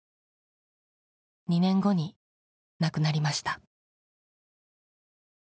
２年後に亡くなりました。